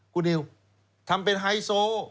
คุณนิวทำเป็นไฮโซ